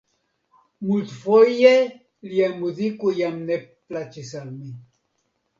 Multfoje lia muziko jam ne plaĉis al mi.